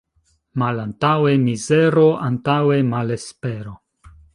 Malantaŭe mizero, antaŭe malespero.